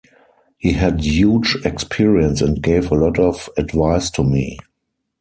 He had huge experience and gave a lot of advice to me.